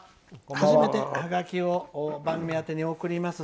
初めてハガキを番組宛てに送ります。